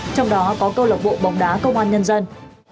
trong đó có câu lạc bộ bóng đá công an nhân dân